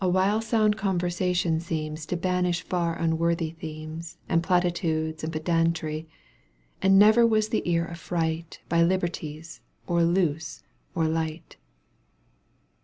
235 Awhile sound conversation seems To banish far unworthy themes And platitudes and pedantry, And never was the ear afifright By liberties or loose or light.